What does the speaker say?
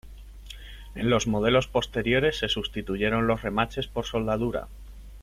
En los modelos posteriores se sustituyeron los remaches por soldadura.